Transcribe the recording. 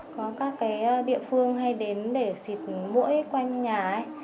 có các cái địa phương hay đến để xịt mũi quanh nhà